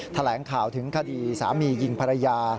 แถลงข่าวถึงคดีสามียิงภรรยา